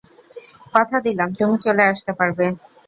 কথা দিলাম, তুমি চলে আসতে পারবে।